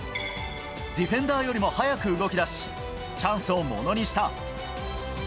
ディフェンダーよりも速く動きだし、チャンスをものにした。